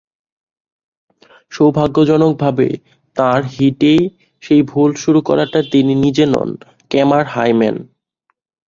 সৌভাগ্যজনকভাবে তাঁর হিটেই সেই ভুল শুরু করাটা তিনি নিজে নন, কেমার হাইম্যান।